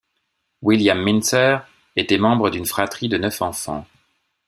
William Mintzer était membre d'une fratrie de neuf enfants.